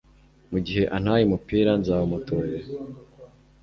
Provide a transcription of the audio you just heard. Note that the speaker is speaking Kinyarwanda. Mugihe antaye umupira nzawumutorera